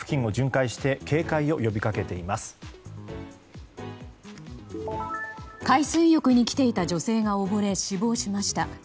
海水浴に来ていた女性が溺れ死亡しました。